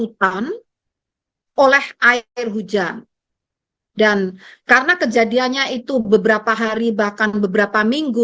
kualitas udara di jakarta terjadi karena kejadiannya beberapa hari bahkan beberapa minggu